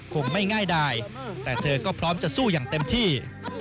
คงไม่ง่ายดายแต่เธอก็พร้อมจะสู้อย่างเต็มที่